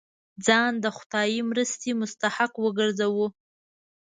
ځان د خدايي مرستې مستحق وګرځوو.